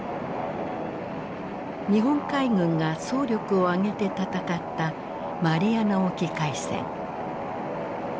日本海軍が総力を挙げて戦ったマリアナ沖海戦。